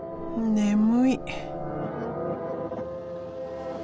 眠い。